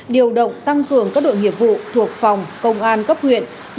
điều động tăng cường các đội nghiệp vụ thuộc phòng công an cấp huyện